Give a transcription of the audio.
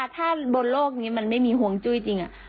ถ้าโลกนี้มันไม่มีฮวงจุ้ยจริงอ่ะ